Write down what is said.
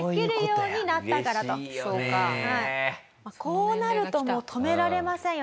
こうなるともう止められません